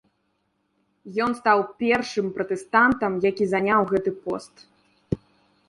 Ён стаў першы пратэстантам, які заняў гэты пост.